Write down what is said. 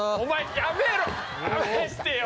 やめてよ。